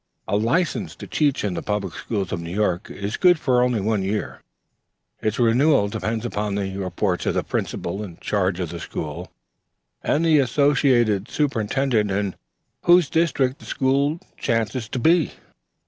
A license to teach in the public schools of New York is good for only one year. Its renewal depends upon the reports of the Principal in charge of the school and of the Associate Superintendent in whose district the school chances to be.